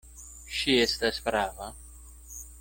Ŝi estas prava.